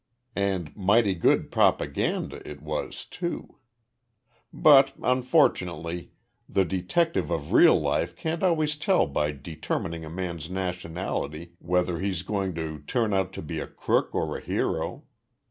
And mighty good propaganda it was, too.... "But, unfortunately, the detective of real life can't always tell by determining a man's nationality whether he's going to turn out to be a crook or a hero.